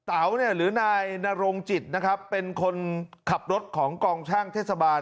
เต๋าหรือนายนโรงจิตเป็นคนขับรถของกองช่างเทศบาล